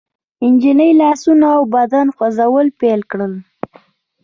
نجلۍ لاسونه او بدن خوځول پيل کړل.